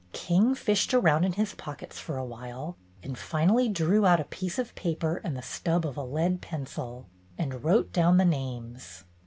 King fished around in his pockets for a while, and finally drew out a piece of paper and the stub of a lead pencil, and wrote down the names.